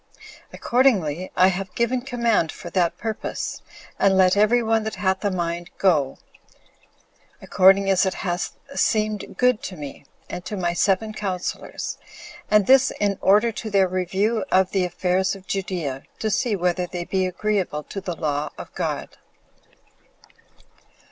Accordingly, I have given command for that purpose; and let every one that hath a mind go, according as it hath seemed good to me, and to my seven counselors, and this in order to their review of the affairs of Judea, to see whether they be agreeable to the law of God.